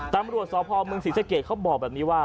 ตังค์บริวสอบภอมเมืองศรีสเกรดเขาบอกแบบนี้ว่า